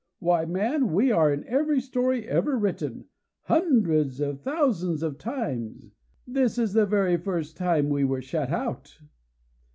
_ Why, man! We are in every story ever written, hundreds of thousands of times! This is the first time we ever were shut out!"